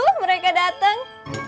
tuh mereka dateng